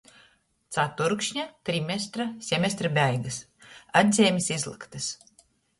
Catūrkšņa, trimestra, semestra beigys. Atzeimis izlyktys.